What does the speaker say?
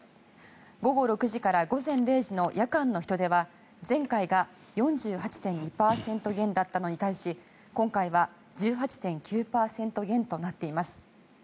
午後６時から午前０時の夜間の人出は前回が４８．２％減だったのに対し今回は１８．９％減となっています。